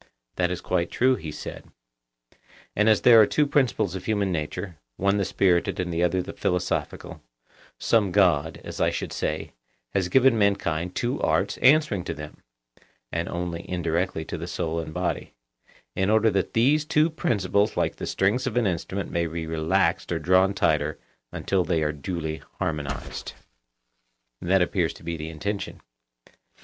That is quite true, he said. And as there are two principles of human nature, one the spirited and the other the philosophical, some God, as I should say, has given mankind two arts answering to them (and only indirectly to the soul and body), in order that these two principles (like the strings of an instrument) may be relaxed or drawn tighter until they are duly harmonized. That appears to be the intention.